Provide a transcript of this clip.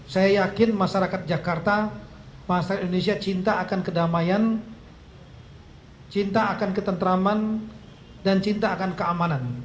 saya yakin masyarakat jakarta masyarakat indonesia cinta akan kedamaian cinta akan ketentraman dan cinta akan keamanan